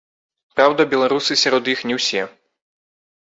Праўда, беларусы сярод іх не ўсе.